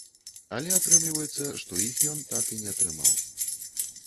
Але атрымліваецца, што іх ён так і не атрымаў.